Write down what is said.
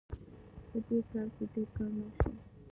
په دې کال کې ډېر کارونه وشول